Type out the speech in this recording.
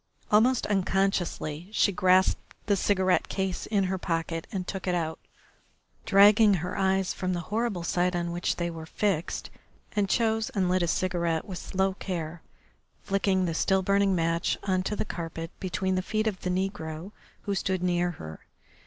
Almost unconsciously she grasped the cigarette case in her pocket and took it out, dragging her eyes from the horrible sight on which they were fixed, and chose and lit a cigarette with slow care, flicking the still burning match on to the carpet between the feet of the negro who stood near her.